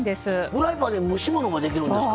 フライパンで蒸し物もできるんですか？